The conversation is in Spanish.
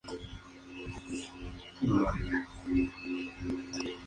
Costa así había llegado a la instancia más alta de apelación.